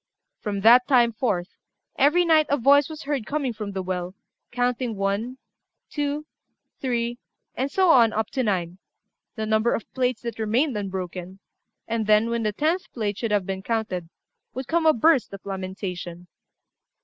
From that time forth, every night a voice was heard coming from the well, counting one, two, three, and so on up to nine the number of the plates that remained unbroken and then, when the tenth plate should have been counted, would come a burst of lamentation.